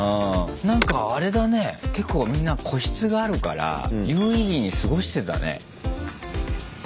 なんかあれだね結構みんな個室があるから有意義に過ごしてたね。